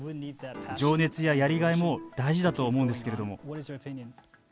情熱や、やりがいも大事だと思うんですけれども。